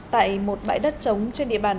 tại một bãi đất trống trên địa bàn